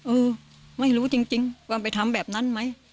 เออไม่รู้จริงว่าไปทำแบบนั้นไหม